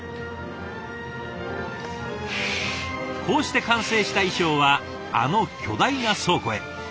こうして完成した衣裳はあの巨大な倉庫へ。